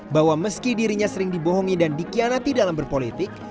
bahwa meski dirinya sering dibohongi dan dikhianati dalam berpolitik